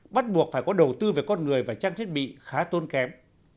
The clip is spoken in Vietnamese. bắt buộc phải có đầu tư về con người và trang thiết bị khá tốn kém